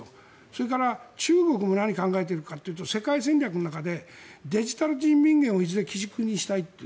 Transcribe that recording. それから中国も何考えているかというと世界戦略の中でデジタル人民元をいずれ基軸にしたいと。